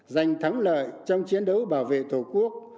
giành thắng lợi trong chiến đấu bảo vệ tổ quốc